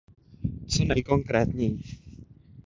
Co nejkonkrétněji.